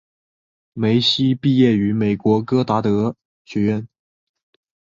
梅西毕业于美国戈达德学院。